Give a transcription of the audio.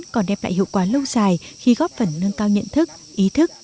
còn đem lại hiệu quả lâu dài khi góp phần nâng cao nhận thức ý thức